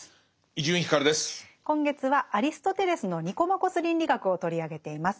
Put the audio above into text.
今月はアリストテレスの「ニコマコス倫理学」を取り上げています。